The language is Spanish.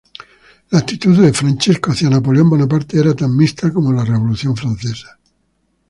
La actitud de Francesco hacia Napoleón Bonaparte era tan mixta —como la Revolución Francesa—.